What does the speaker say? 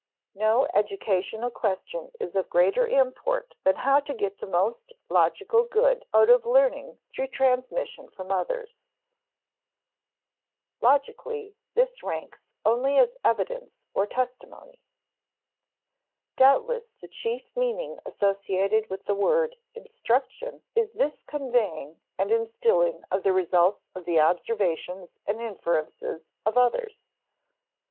No educational question is of greater import than how to get the most logical good out of learning through transmission from others. [Sidenote: Logically, this ranks only as evidence or testimony] Doubtless the chief meaning associated with the word instruction is this conveying and instilling of the results of the observations and inferences of others.